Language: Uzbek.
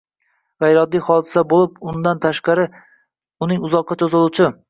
uchun g‘ayrioddiy hodisa bo‘lib, bundan tashqari uning uzoqqa cho‘ziluvchi